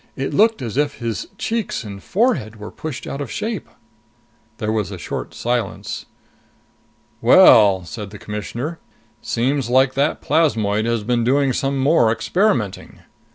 It looked as if his cheeks and forehead were pushed out of shape!" There was a short silence. "Well," said the Commissioner, "seems like that plasmoid has been doing some more experimenting.